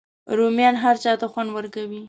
رومیان هر چاته خوند کوي